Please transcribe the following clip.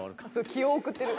気を送ってる。